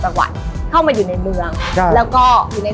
พอได้มาก็คืนเข้าไป